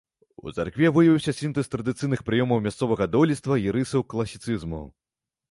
У царкве выявіўся сінтэз традыцыйных прыёмаў мясцовага дойлідства і рысаў класіцызму.